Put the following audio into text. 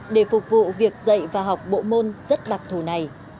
để phục vụ việc dạy và học bộ môn rất đặc thù này